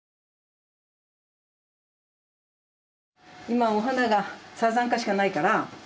今お花がサザンカしかないから。